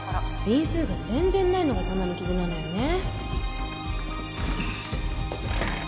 便数が全然ないのが玉にきずなのよね